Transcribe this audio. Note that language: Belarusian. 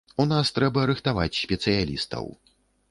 У нас трэба рыхтаваць спецыялістаў.